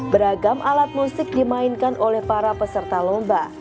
beragam alat musik dimainkan oleh para peserta lomba